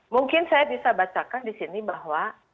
mungkin saya bisa bacakan di sini bahwa